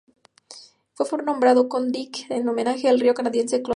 Fue nombrado Klondike en homenaje al río canadiense Klondike.